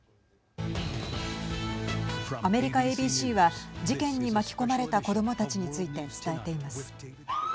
アメリカＡＢＣは事件に巻き込まれた子どもたちについて伝えています。